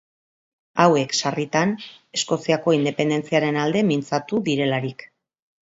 Hauek sarritan Eskoziako independentziaren alde mintzatu direlarik.